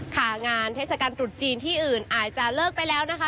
ค่ะงานเทศกาลตรุษจีนที่อื่นอาจจะเลิกไปแล้วนะคะ